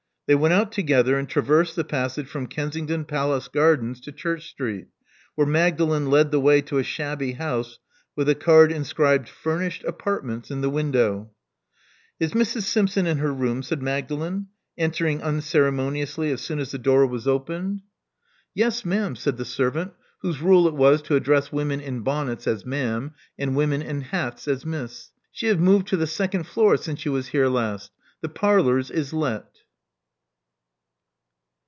They went out together, and traversed the passage from Kensington Palace Gardens to Church Street, where Magdalen led the way to a shabby house, with a card inscribed Furnished Apartments in the window. Is Mrs. Simpson in her room?" said Magdalen, entering unceremoniously as soon as the door was opened. Love Among the Artists 85 Yes, ma'am,'* said the servant, whose rule it was to address women in bonnets as ma'am, and women in hats as Miss. She *ave moved to the second floor since you was here last. . The parlors is let."